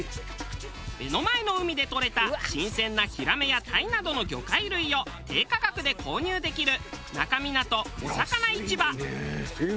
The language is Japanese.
目の前の海でとれた新鮮なヒラメやタイなどの魚介類を低価格で購入できる那珂湊おさかな市場。